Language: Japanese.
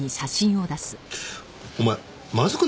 お前まずくないの？